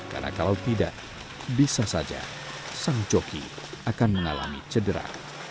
karena kalau tidak bisa saja sang joki akan mengalami cedera